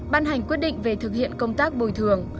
ban hành quyết định về thực hiện công tác bồi thường